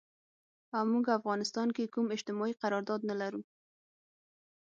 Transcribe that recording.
او مونږ افغانستان کې کوم اجتماعي قرارداد نه لرو